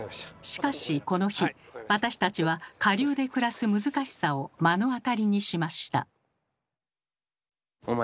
しかしこの日私たちは下流で暮らす難しさを目の当たりにしました。